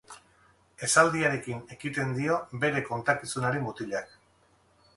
Esaldiarekin ekiten dio bere kontakizunari mutilak.